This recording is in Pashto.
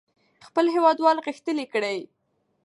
خپل هېوادوال غښتلي کړئ.